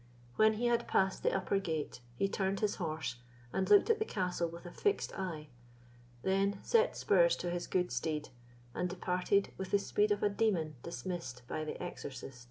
When he had passed the upper gate, he turned his horse, and looked at the castle with a fixed eye; then set spurs to his good steed, and departed with the speed of a demon dismissed by the exorcist.